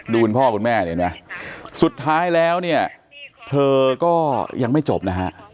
คุณพ่อคุณแม่เห็นไหมสุดท้ายแล้วเนี่ยเธอก็ยังไม่จบนะฮะ